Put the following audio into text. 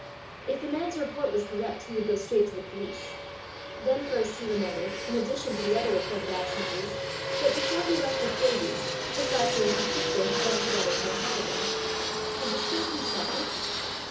If the man's report was correct, he would go straight to the police! Then first he remembered, in addition to the other reported absences, that before he left with Davie, the factor and his sister had gone together for a holiday: had this been contrived?